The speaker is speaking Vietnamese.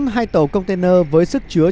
hai tàu container với sức chứa